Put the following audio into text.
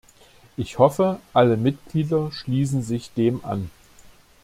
Ich hoffe, alle Mitglieder schließen sich dem an.